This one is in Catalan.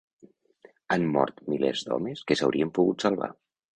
Han mort milers d'homes que s'haurien pogut salvar.